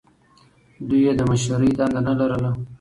دوی یې د مشرۍ دنده نه لرله.